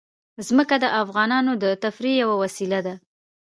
ځمکه د افغانانو د تفریح یوه وسیله ده.